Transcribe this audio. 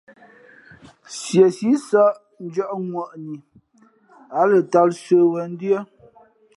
Nsiesi sαʼ ndʉ̄ᾱŋwαni ǎ lαtāl sə̌wen ndʉ́ά.